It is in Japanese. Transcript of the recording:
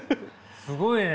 すごいね。